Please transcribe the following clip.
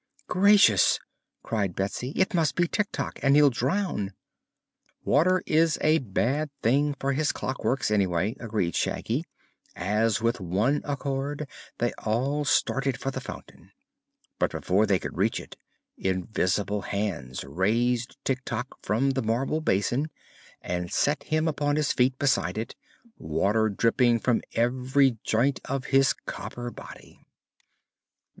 "Gracious!" cried Betsy; "it must be Tik Tok, and he'll drown." "Water is a bad thing for his clockworks, anyhow," agreed Shaggy, as with one accord they all started for the fountain. But before they could reach it, invisible hands raised Tik Tok from the marble basin and set him upon his feet beside it, water dripping from every joint of his copper body.